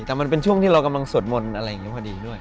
แต่มันเป็นช่วงที่เรากำลังสวดมนต์อะไรอย่างนี้พอดีด้วย